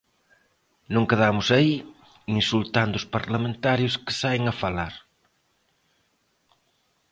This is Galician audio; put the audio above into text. Non quedamos aí, insultando os parlamentarios que saen a falar.